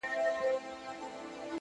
له هر ځایه یې مړۍ په خوله کوله٫